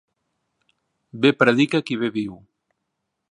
Bé predica qui bé viu.